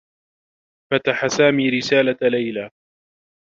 فتح سامي رسالة ليلى.